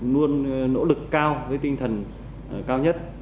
luôn nỗ lực cao với tinh thần cao nhất